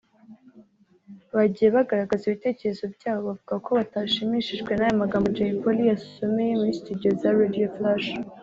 bagiye bagaragaza ibitekerezo byabo bavuga ko batashimishijwe n’aya magambo Jay Polly yasomeye muri Studio za Radio Flash